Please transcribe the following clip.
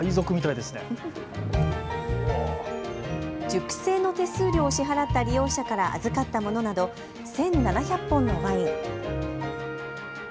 熟成の手数料を支払った利用者から預かったものなど１７００本のワイン。